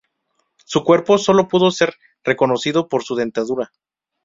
Su cuerpo solo pudo ser reconocido por su dentadura.